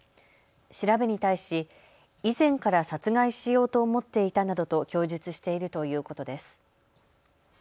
調べに対し、以前から殺害しようと思っていたなどと供述しているということです。